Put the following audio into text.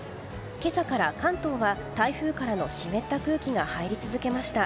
今朝から関東は台風からの湿った空気が入り続けました。